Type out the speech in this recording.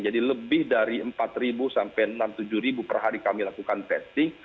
jadi lebih dari empat sampai enam tujuh per hari kami lakukan testing